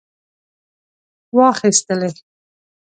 واخیستلې.